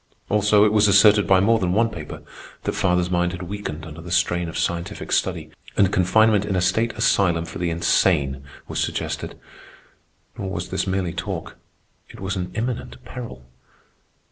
Also, it was asserted by more than one paper that father's mind had weakened under the strain of scientific study, and confinement in a state asylum for the insane was suggested. Nor was this merely talk. It was an imminent peril.